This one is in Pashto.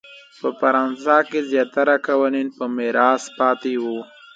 په فرانسه کې زیاتره قوانین په میراث پاتې وو.